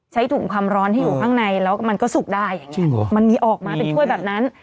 ใช้ถุงความร้อนที่อยู่ข้างในแล้วมันก็สุกได้อย่างนี้มันมีออกมาเป็นถ้วยแบบนั้น